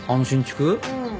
うん。